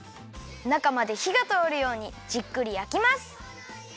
なかまでひがとおるようにじっくりやきます。